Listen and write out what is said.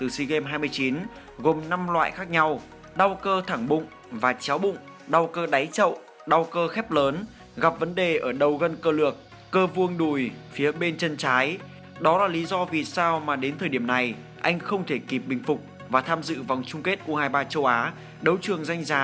xin chào và hẹn gặp lại các bạn trong những video tiếp theo